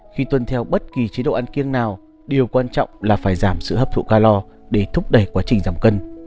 khi tuân theo bất kỳ chế độ ăn kiêng nào điều quan trọng là phải giảm sự hấp thụ ca lo để thúc đẩy quá trình giảm cân